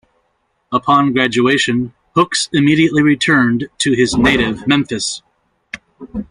Upon graduation Hooks immediately returned to his native Memphis.